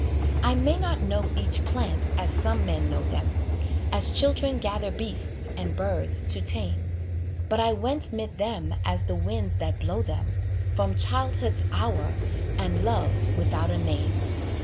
I may not know each plant as some men know them, As children gather beasts and birds to tame; But I went 'mid them as the winds that blow them, From childhood's hour, and loved without a name.